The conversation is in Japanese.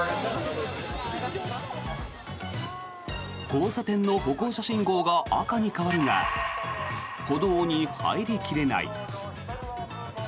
交差点の歩行者信号が赤に変わるが歩道に入り切れない。